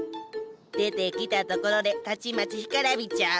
出てきたところでたちまち干からびちゃう。